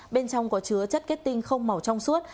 bên trong có chứa chất kết tinh không màu trong suốt